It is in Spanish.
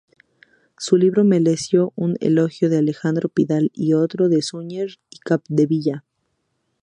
Su libro mereció un elogio de Alejandro Pidal y otro de Suñer y Capdevila.